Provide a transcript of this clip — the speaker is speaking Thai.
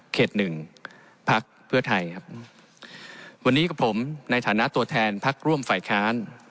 หนึ่งพักเพื่อไทยครับวันนี้กับผมในฐานะตัวแทนพักร่วมฝ่ายค้าน